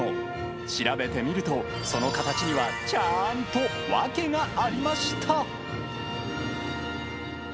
調べてみると、その形にはちゃんと訳がありました。